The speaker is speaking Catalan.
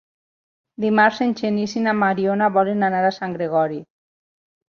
Dimarts en Genís i na Mariona volen anar a Sant Gregori.